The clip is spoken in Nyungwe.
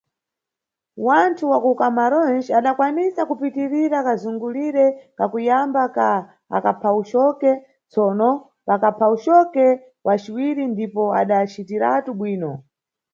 Wanthu wa kuCamarões adakwanisa kupitirira kazungulire kakuyamba ka akaphawucoke, tsono pakaphawucoke wa ciwiri ndipo adacitiratu bwino.